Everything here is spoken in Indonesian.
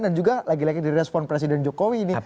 dan juga lagi lagi di respon presiden jokowi ini